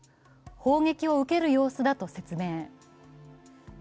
砲撃を受ける様子だと説明。